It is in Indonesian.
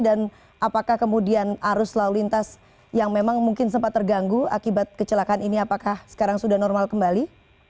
dan apakah kemudian arus lalu lintas yang memang mungkin sempat terganggu akibat kecelakaan ini apakah sekarang sudah normal kembali